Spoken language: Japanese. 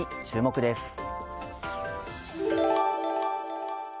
注目です。